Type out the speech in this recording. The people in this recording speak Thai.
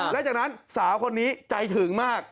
และจากนั้นสาวคนนี้ใจถึงมาก